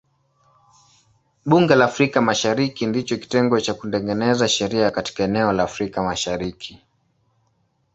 Bunge la Afrika Mashariki ndicho kitengo cha kutengeneza sheria katika eneo la Afrika Mashariki.